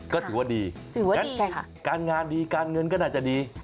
ก็ถือว่าดีถือว่าการงานดีการเงินก็น่าจะดี